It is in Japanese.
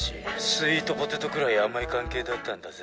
スイートポテトくらいあまいかんけいだったんだぜ。